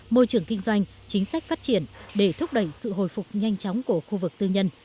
môi trường kinh doanh chính sách phát triển để thúc đẩy sự hồi phục nhanh chóng của khu vực tư nhân